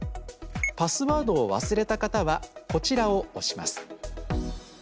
パスワードを忘れた方は「こちら」を押します。